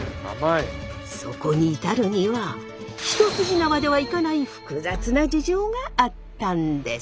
そこに至るには一筋縄ではいかない複雑な事情があったんです。